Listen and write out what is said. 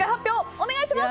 お願いします。